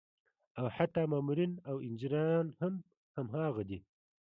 او حتا مامورين او انجينران هم هماغه دي